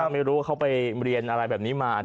ไม่รู้ว่าเขาไปเรียนอะไรแบบนี้มา